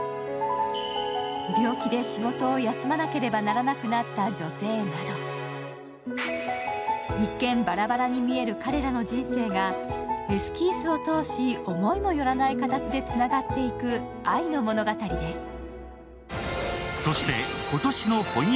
病気で仕事を休まなければならなくなった女性など一見バラバラに見える彼らの人生がエスキースを通し、思いもよらない形でつながっていく愛の物語です。